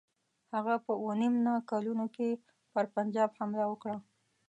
هغه په اووه نیم نه کلونو کې پر پنجاب حمله وکړه.